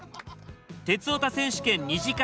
「鉄オタ選手権２時間